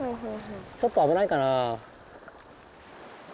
ちょっとあぶないかな。